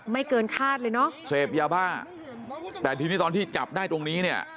เกินคาดเลยเนอะเสพยาบ้าแต่ทีนี้ตอนที่จับได้ตรงนี้เนี่ย